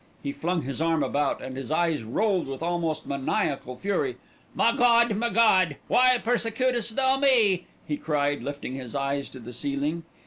He flung his arm about, and his eyes rolled with almost maniacal fury. "Ma God! ma God! Why persecuteth Thou me?" he cried, lifting his eyes to the ceiling.